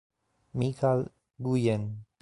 Michal Nguyễn